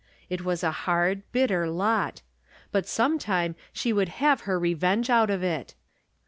It was a hard, bitter lot ; but sometime she would have her re venge out of it